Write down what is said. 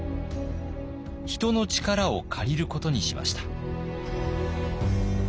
人の力を借りることにしました。